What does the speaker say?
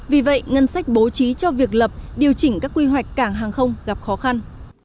vì vậy ngân sách bố trí cho việc lập điều chỉnh các quy hoạch cảng hàng không gặp khó khăn